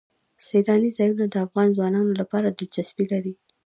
سیلانی ځایونه د افغان ځوانانو لپاره دلچسپي لري.